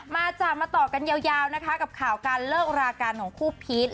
จ้ะมาต่อกันยาวนะคะกับข่าวการเลิกราการของคู่พีช